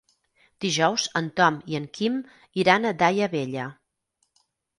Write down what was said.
Dijous en Tom i en Quim iran a Daia Vella.